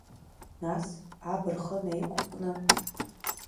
Нас аб рхы наиқәкны…